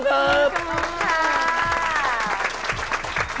ขอบคุณค่ะ